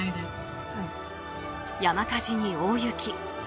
山火事に大雪。